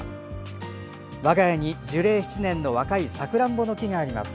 我が家に樹齢７年の若いさくらんぼの木があります。